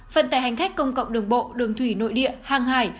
phần tại hành khách công cộng đường bộ đường thủy nội địa hàng hải